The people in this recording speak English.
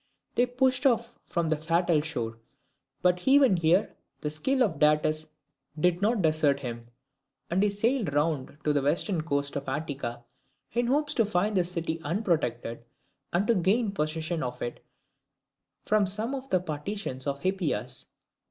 They pushed off from the fatal shore: but even here the skill of Datis did not desert him, and he sailed round to the western coast of Attica, in hopes to find the city unprotected, and to gain possession of it from some of the partisans of Hippias.